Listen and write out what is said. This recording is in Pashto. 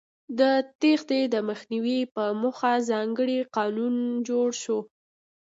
د تېښتې د مخنیوي په موخه ځانګړی قانون جوړ شو.